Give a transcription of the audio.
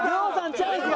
チャンスが！